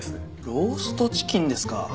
ローストチキンですか。